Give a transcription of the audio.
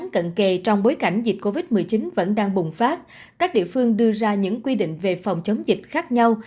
các địa phương đưa ra những quy định về phòng chống dịch khác nhau